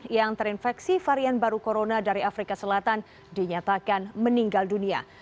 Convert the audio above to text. yang terinfeksi varian baru corona dari afrika selatan dinyatakan meninggal dunia